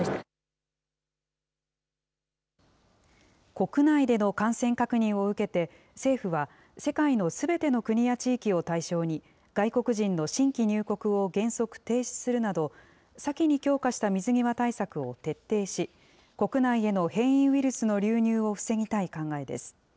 国内での感染確認を受けて、政府は世界のすべての国や地域を対象に、外国人の新規入国を原則停止するなど、先に強化した水際対策を徹底し、国内への変異ウイルスの流入を防ぎたい考えです。